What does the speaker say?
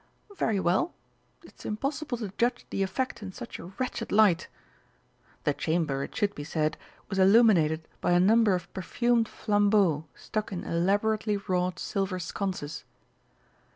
Very well.... It's impossible to judge the effect in such a wretched light" (the chamber, it should be said, was illuminated by a number of perfumed flambeaux stuck in elaborately wrought silver sconces).